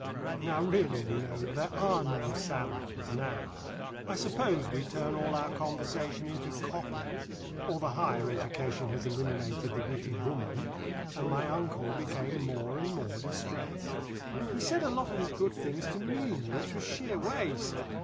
Now really, you know, there are no salons now I suppose we turn all our conversation into "copy" or the higher education has eliminated the witty woman and my uncle became more and more distressed. He said a lot of his good things to me, which was sheer waste.